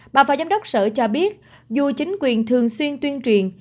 bà phó giám đốc sở cho biết dù chính quyền thường xuyên tuyên truyền